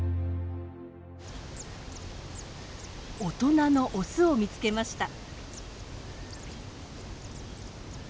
大人のオスを見つけました。